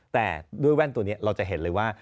แต่ด้วยแว่นตัวนี้เราจะเห็นเลยว่า